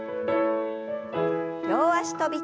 両脚跳び。